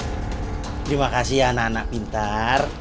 terima kasih anak anak pintar